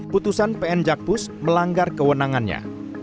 putusan pn jakpus melanggar kewenangannya